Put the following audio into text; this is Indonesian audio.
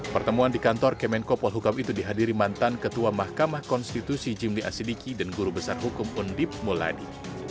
pertemuan di kantor kemenkopol hukam itu dihadiri mantan ketua mahkamah konstitusi jimli asidiki dan guru besar hukum undip muladi